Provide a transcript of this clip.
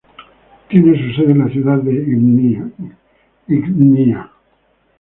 Tiene su sede en la ciudad de Gdynia.